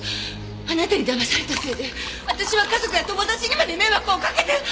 あなたにだまされたせいで私は家族や友達にまで迷惑をかけて！